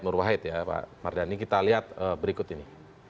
pak hidayat ya pak mardhani kita lihat berikut ini